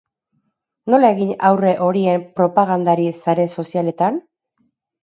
Nola egin aurre horien propagandari sare sozialetan?